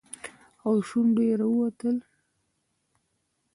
له شونډو يې راووتل.